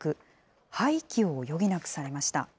廃棄を余儀なくされました。